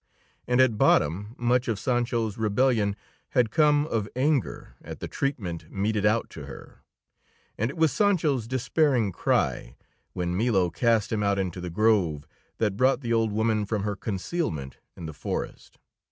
And at bottom, much of Sancho's rebellion had come of anger at the treatment meted out to her. And it was Sancho's despairing cry, when Milo cast him out into the Grove, that brought the old woman from her concealment in the forest.